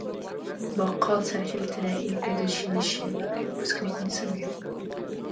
Бахъал цархӀилтира ил педучилищела выпускникуни саби.